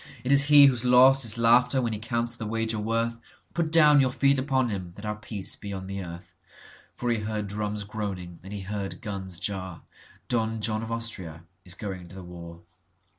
It is he whose loss is laughter when he counts the wager worth, Put down your feet upon him, that our peace be on the earth."For he heard drums groaning and he heard guns jar,(Don John of Austria is going to the war.)